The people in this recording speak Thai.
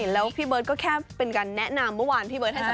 แล้วพี่เบิร์ดก็แค่เป็นการแนะนำเมื่อวาน